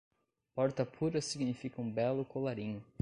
Porta pura significa um belo colarinho.